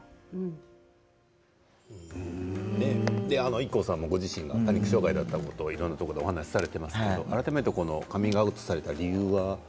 ＩＫＫＯさんもご自身がパニック障害だったことをいろんなところでお話しされていますけど改めてカミングアウトされた理由は？